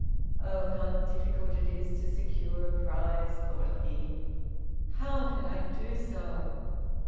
"Oh! how difficult it is to secure a prize," thought he. "How can I do so?